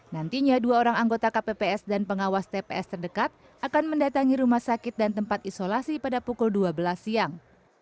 nantinya dua orang anggota kpps dan pengawas tps terdekat akan mendatangi rumah sakit dan tempat isolasi pada pukul dua belas siang